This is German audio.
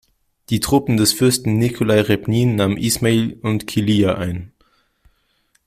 Die Truppen des Fürsten Nikolai Repnin nahmen Ismail und Kilija ein.